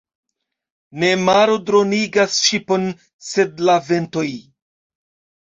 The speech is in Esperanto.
Ne maro dronigas ŝipon, sed la ventoj.